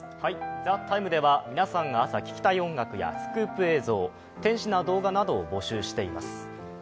「ＴＨＥＴＩＭＥ，」では皆さんが朝ききたい音楽、「天使な動画」などを募集しています。